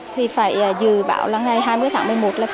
thì phải dự bảo là ngày hai mươi tháng một mươi một